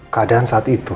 keadaan saat itu